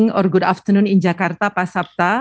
selamat pagi atau selamat petang di jakarta pak sapta